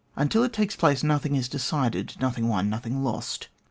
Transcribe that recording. Until it takes place nothing is decided, nothing won, nothing lost.